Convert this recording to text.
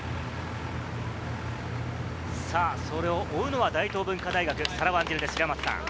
それを追うのは大東文化大学、サラ・ワンジルです。